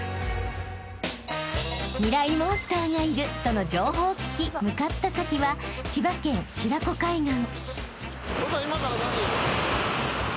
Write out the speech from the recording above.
モンスターがいるとの情報を聞き向かった先は千葉県白子海岸］